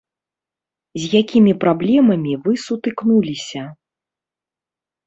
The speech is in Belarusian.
З якімі праблемамі вы сутыкнуліся?